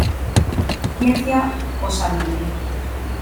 Ciencia o sabiduría.